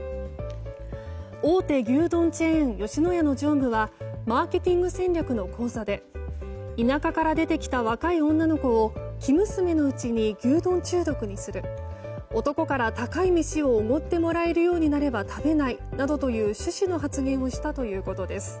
大手牛丼チェーン吉野家の常務はマーケティング戦略の講座で田舎から出てきた若い女の子を生娘のうちに牛丼中毒にする男から高い飯をおごってもらえるようになれば食べないなどという趣旨の発言をしたということです。